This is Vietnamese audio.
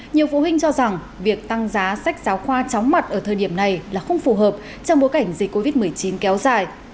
nhiều phụ huynh cho rằng việc tăng giá sách giáo khoa chóng mặt ở thời điểm này là không phù hợp trong bối cảnh dịch covid một mươi chín kéo dài